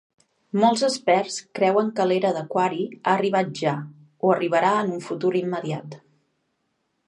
Molts experts creuen que l'era d'aquari ha arribat ja, o arribarà en un futur immediat.